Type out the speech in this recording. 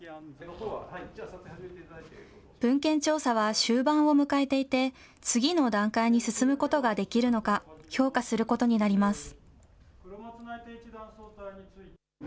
文献調査は終盤を迎えていて、次の段階に進むことができるのか、評価することになります。